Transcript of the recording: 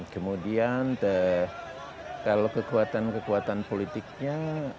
kemudian kalau kekuatan kekuatan politiknya